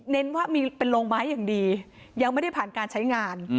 ว่ามีเป็นโรงไม้อย่างดียังไม่ได้ผ่านการใช้งาน